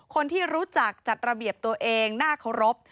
คนที่รู้จักจัดระเบียบตัวเองน่าเคารพ